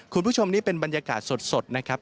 คุณผู้ชมนี่เป็นบรรยากาศสดนะครับ